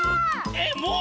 えっもう？